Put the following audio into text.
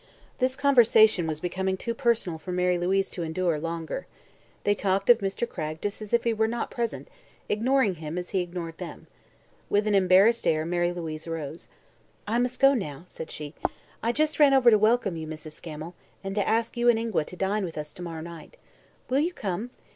This conversation was becoming too personal for Mary Louise to endure longer. They talked of Mr. Cragg just as if he were not present, ignoring him as he ignored them. With an embarrassed air Mary Louise rose. "I must go now," said she. "I just ran over to welcome you, Mrs. Scammel, and to ask you and Ingua to dine with us to morrow night. Will you come?